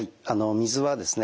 水はですね